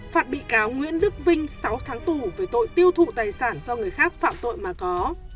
phạt bị cáo nguyễn đức vinh sáu tháng tù về tội tiêu thụ tài sản do người khác phạm tội mà có